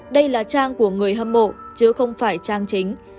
đây là trang của người hâm mộ chứ không phải trang chính